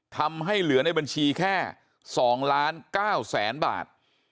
ทำให้เหลือในบัญชีแค่๒ล้าน๙แสนบาท